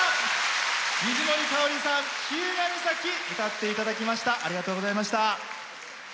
水森かおりさん、「日向岬」歌っていただきました。